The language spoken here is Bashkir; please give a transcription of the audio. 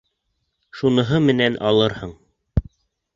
Шуныһы менән алырһың.